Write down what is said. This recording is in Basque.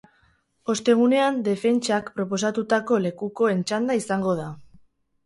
Ostegunean, defentsak proposatutako lekukoen txanda izango da.